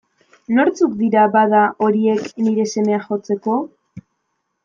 Nortzuk dira, bada, horiek, nire semea jotzeko?